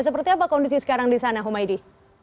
seperti apa kondisi sekarang di sana humaydi